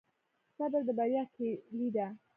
صبر د بریا کیلي ده؟